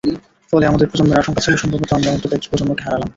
ফলে, আমাদের প্রজন্মের আশঙ্কা ছিল সম্ভবত আমরা অন্তত একটি প্রজন্মকে হারালাম।